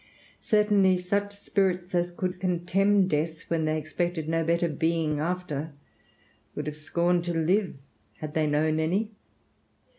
Certainly, such spirits as could contemn death, when they expected no better being after, would have scorned to live had they known any.